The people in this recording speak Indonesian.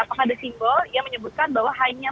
apakah ada simbol yang menyebutkan bahwa hanya